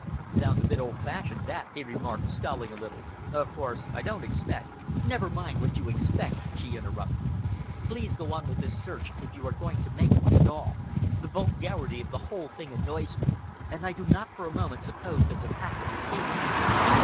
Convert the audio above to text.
"Sounds a bit old fashioned, that," he remarked, scowling a little. "Of course, I don't expect " "Never mind what you expect," she interrupted, "Please go on with this search, if you are going to make one at all. The vulgarity of the whole thing annoys me, and I do not for a moment suppose that the packet is here."